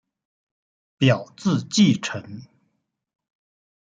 表字稷臣。